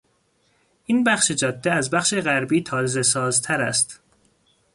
این بخش جاده از بخش غربی تازه سازتر است.